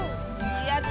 やった！